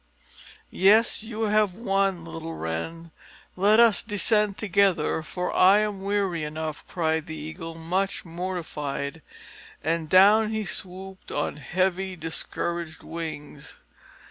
"Yes, you have won, little Wren. Let us descend together, for I am weary enough," cried the Eagle, much mortified; and down he swooped, on heavy, discouraged wings.